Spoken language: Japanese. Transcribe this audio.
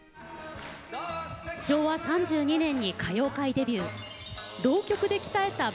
昭和３２年に歌謡界デビュー。